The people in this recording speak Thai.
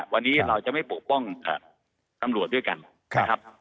วันนี้เราจะไม่ปกป้องตำรวจด้วยกันนะครับ